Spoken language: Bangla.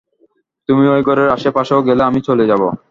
তুমি ঐ ঘরের আসে পাশেও গেলে আমি চলে যাব।